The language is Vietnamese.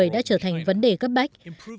đã trở thành vấn đề gấp bách